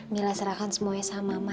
mila serahkan semuanya sama mama